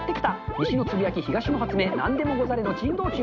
西のつぶやき、東の発明、なんでもござれの珍道中。